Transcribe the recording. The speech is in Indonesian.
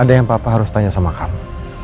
ada yang papa harus tanya sama kamu